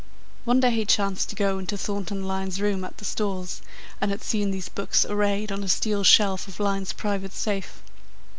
One day he chanced to go into Thornton Lyne's room at the Stores and had seen these books arrayed on a steel shelf of Lyne's private safe.